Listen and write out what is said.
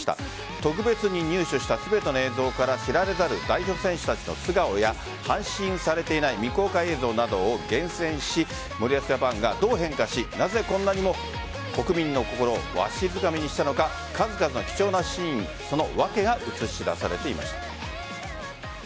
特別に入手した全ての映像から知られざる代表選手たちの素顔や配信されていない未公開映像などを厳選し森保ジャパンがどう変化しなぜこんなにも国民の心をわしづかみにしたのか数々の貴重なシーンその訳が映し出されていました。